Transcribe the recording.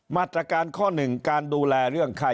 มาตรการข้อหนึ่งการดูแลเรื่องไข้